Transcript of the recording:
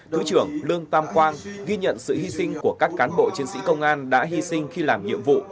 thứ trưởng lương tam quang ghi nhận sự hy sinh của các cán bộ chiến sĩ công an đã hy sinh khi làm nhiệm vụ